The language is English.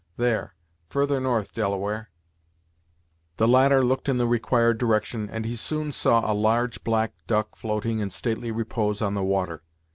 There, further north, Delaware." The latter looked in the required direction, and he soon saw a large black duck floating in stately repose on the water.